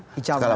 apa yang terjadi